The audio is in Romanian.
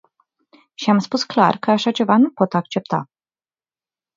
Și am spus clar că așa ceva nu pot accepta.